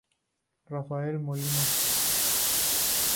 Rafael Molina.